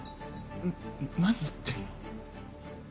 何言ってんの？